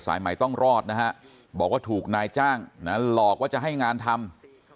ใหม่ต้องรอดนะฮะบอกว่าถูกนายจ้างนั้นหลอกว่าจะให้งานทำ